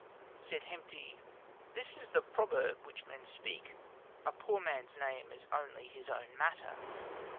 Said Hemti, "This is the proverb which men speak: 'A poor man's name is only his own matter.'